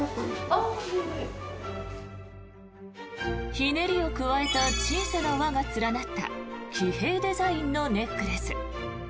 ひねりを加えた小さな輪が連なった喜平デザインのネックレス。